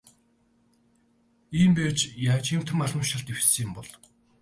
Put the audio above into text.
Ийм байж яаж том албан тушаалд дэвшсэн юм бол.